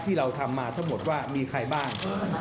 ที่เราทำมาทั้งหมดว่ามีใครบ้าง